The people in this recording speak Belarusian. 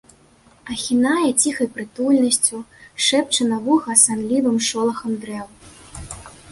Ахінае ціхай прытульнасцю, шэпча на вуха санлівым шолахам дрэў.